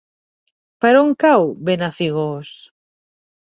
Per on cau Benafigos?